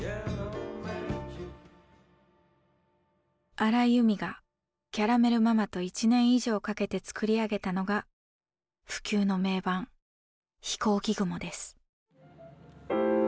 荒井由実がキャラメル・ママと１年以上かけて作り上げたのが不朽の名盤「ひこうき雲」です。